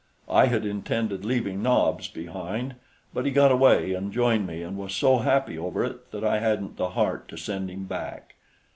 I had intended leaving Nobs behind, but he got away and joined me and was so happy over it that I hadn't the heart to send him back.